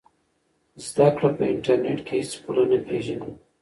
زده کړه په انټرنیټ کې هېڅ پوله نه پېژني.